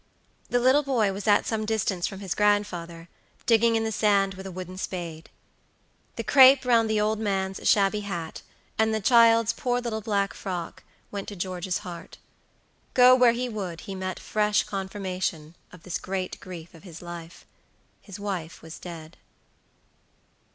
The little boy was at some distance from his grandfather, digging in the sand with a wooden spade. The crape round the old man's shabby hat, and the child's poor little black frock, went to George's heart. Go where he would he met fresh confirmation of this great grief of his life. His wife was dead.